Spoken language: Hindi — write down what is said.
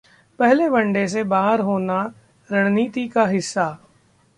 ‘पहले वनडे से बाहर होना रणनीति का हिस्सा’